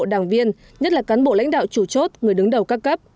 đảng viên nhất là cán bộ lãnh đạo chủ chốt người đứng đầu các cấp